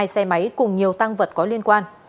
hai xe máy cùng nhiều tăng vật có liên quan